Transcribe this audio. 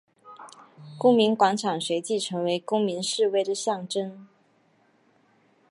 公民广场随即成为公民示威的象征。